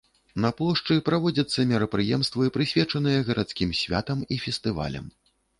На плошчы праводзяцца мерапрыемствы, прысвечаныя гарадскім святам і фестывалям.